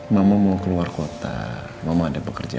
mama mau keluar kota mama ada pekerjaan